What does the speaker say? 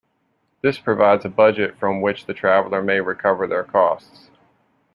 This provides a budget from which the traveller may recover their costs.